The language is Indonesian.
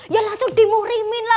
ya langsung dimurimin lah